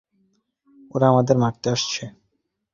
ওরা আমাদের মারতে আসছে।